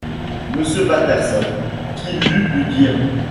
Monsieur Patterson, qui l’eût pu dire?...